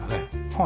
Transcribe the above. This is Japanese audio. はい。